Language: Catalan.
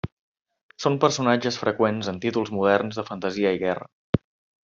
Són personatges freqüents en títols moderns de fantasia i guerra.